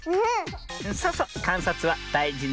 そうそうかんさつはだいじのミズよ。